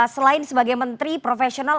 selain sebagai menteri profesional